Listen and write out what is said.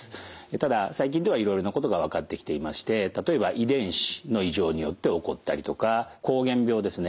ただ最近ではいろいろなことが分かってきていまして例えば遺伝子の異常によって起こったりとか膠原病ですね